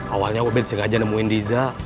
awalnya ubed sengaja nemuin diza